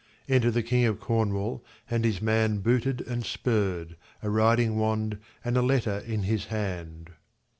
Enter the king of Cornwall and his man booted and spurred, a riding wand and a letter in his hand.